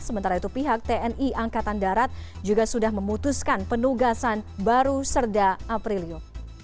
sementara itu pihak tni angkatan darat juga sudah memutuskan penugasan baru serda aprilio